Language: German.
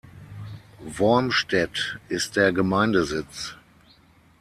Wormstedt ist der Gemeindesitz.